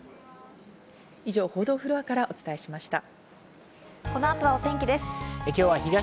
以上、報道フロアからお伝えしました。